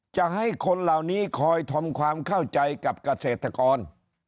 จะให้คนเหล่านี้คอยทำความเข้าใจกับเกษตรกร